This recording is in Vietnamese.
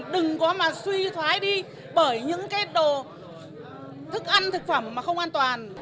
đừng có mà suy thoái đi bởi những cái đồ thức ăn thực phẩm mà không an toàn